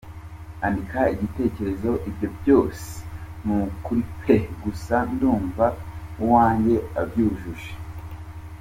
Andika Igitekerezo ibyobyose nukuripeee gusa ndumva uwange abyujujepeee.